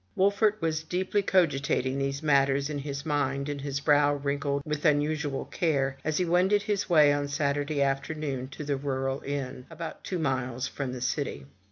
Wolfert was deeply cogitating these matters in his mind, and his brow wrinkled with unusual care, as he wended his way on Saturday afternoon to the rural inn, about two miles from the city.